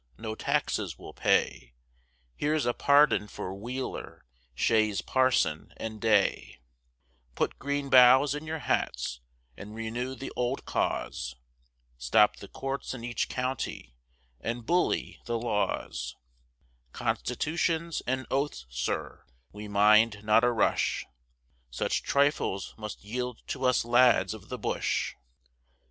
no taxes we'll pay; Here's a pardon for Wheeler, Shays, Parsons, and Day; Put green boughs in your hats, and renew the old cause; Stop the courts in each county, and bully the laws: Constitutions and oaths, sir, we mind not a rush; Such trifles must yield to us lads of the bush.